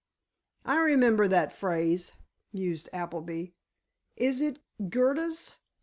'" "I remember that phrase," mused Appleby. "Is it Goethe's?